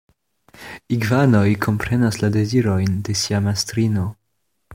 Igvanoj komprenas la dezirojn de sia mastrino.